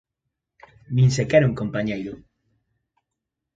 Nin sequera un compañeiro.